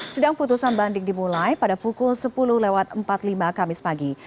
sidang putusan banding dimulai pada pukul sepuluh lewat empat puluh lima kamis pagi